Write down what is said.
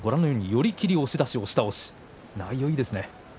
寄り切り、押し出し、押し倒し内容がいいですね。